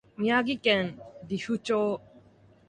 宮城県利府町